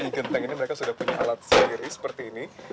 di genteng ini mereka sudah punya alat sendiri seperti ini